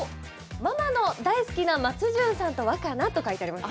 ママの大好きな松潤さんとわかなと書いてあります。